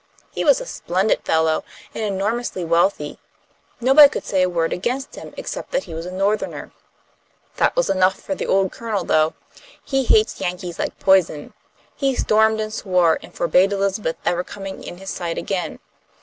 He was a splendid fellow, and enormously wealthy. Nobody could say a word against him, except that he was a Northerner. That was enough for the old Colonel, though. He hates Yankees like poison. He stormed and swore, and forbade Elizabeth ever coming in his sight again.